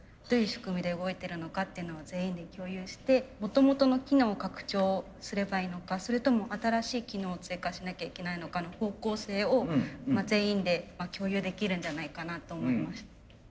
どういう仕組みで動いてるのかっていうのを全員で共有してもともとの機能拡張をすればいいのかそれとも新しい機能を追加しなきゃいけないのかの方向性を全員で共有できるんじゃないかなと思いました。